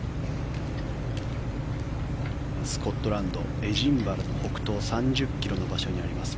スコットランドエディンバラの北東３０ｋｍの場所にあります